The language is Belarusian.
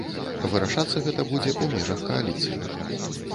Вырашацца гэта будзе ў межах кааліцыі.